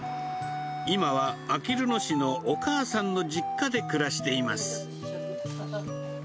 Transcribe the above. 今はあきる野市のお母さんの実家で暮らしています。